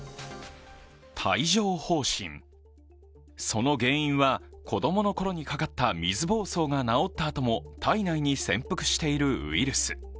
帯状ほう疹、その原因は子供のころにかかった水ぼうそうが治ったあとも体内に潜伏しているウイルス。